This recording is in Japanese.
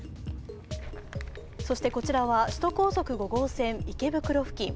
そしてこちらは首都高速５号線池袋付近。